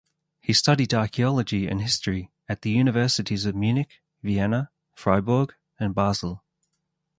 He studied archaeology and history at the Universities of Munich, Vienna, Fribourg and Basel.